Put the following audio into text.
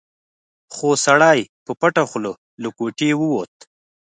خو سړی په پټه خوله له کوټې ووت.